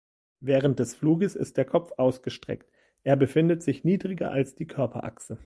Während des Fluges ist der Kopf ausgestreckt, er befindet sich niedriger als die Körperachse.